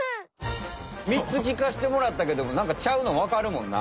みっつきかしてもらったけどもなんかちゃうのわかるもんな。